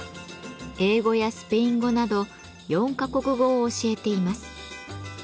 英語やスペイン語など４か国語を教えています。